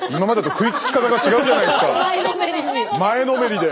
前のめりで！